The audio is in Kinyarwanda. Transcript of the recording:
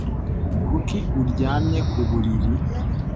Kuki uryamye ku buriri?